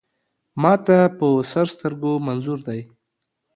ما ته په سر سترګو منظور دی.